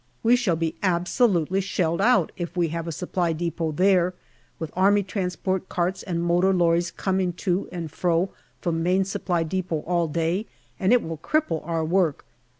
We shall be absolutely shelled out if we have a Supply depot there, with A.T. carts and motor lorries coming to and fro from Main Supply depot all day, and it will cripple our work.